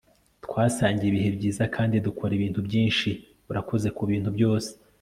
twasangiye ibihe byiza kandi dukora ibintu byinshi. urakoze kubintu byose